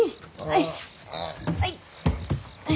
はい。